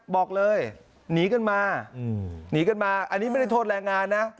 บอกเลยหนีกันมาหนีกันมาอันนี้ไม่ได้โทษแรงงานนะ